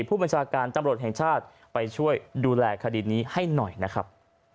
ผู้บัญชาการตำรวจแห่งชาติไปช่วยดูแลคดีนี้ให้หน่อยนะครับ